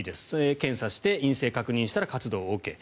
検査して陰性を確認できたら活動ＯＫ。